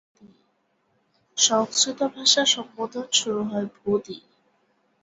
সংস্কৃত ভাষার সম্বোধন শুরু হয় ভো দিয়ে।